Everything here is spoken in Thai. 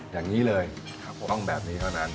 อย่างนี้เลยต้องแบบนี้เท่านั้น